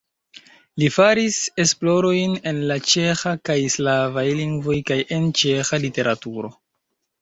Li faris esplorojn en la ĉeĥa kaj slavaj lingvoj kaj en ĉeĥa literaturo.